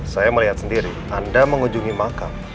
saya melihat sendiri anda mengunjungi makam